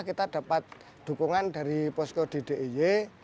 kita dapat dukungan dari posko di diy